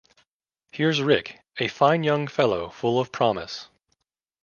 Here's Rick, a fine young fellow full of promise.